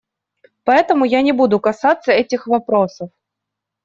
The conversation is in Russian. Поэтому я не буду касаться этих вопросов.